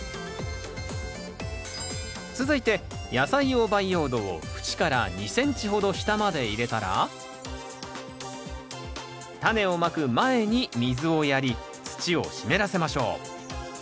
続いて野菜用培養土を縁から２ｃｍほど下まで入れたらタネをまく前に水をやり土を湿らせましょう。